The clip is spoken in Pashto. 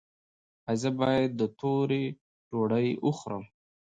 ایا زه باید توره ډوډۍ وخورم؟